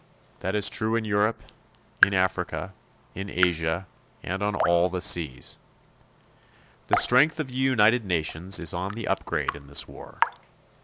That is true in Europe, in Africa, in Asia, and on all the seas. The strength of the United Nations is on the upgrade in this war.